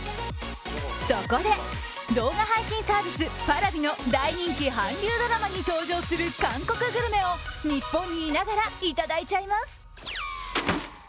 そこで、動画配信サービスＰａｒａｖｉの大人気韓流ドラマに登場する韓国グルメを日本にいながら、いただいちゃいます。